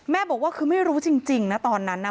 บอกว่าคือไม่รู้จริงนะตอนนั้นนะ